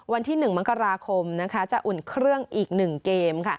วันที่๑มกราคมจะอุ่นเครื่องอีก๑เกม